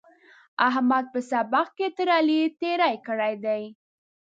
احمد په سبق کې تر علي تېری کړی دی.